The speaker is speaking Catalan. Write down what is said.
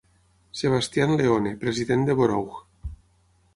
Sebastian Leone, president de Borough.